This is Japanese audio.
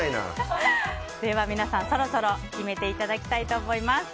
皆さん、そろそろ決めていただきたいと思います。